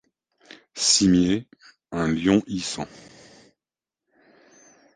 Cimier: un lion issant.